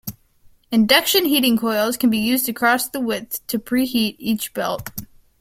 Induction heating coils can be used across the width to preheat each belt.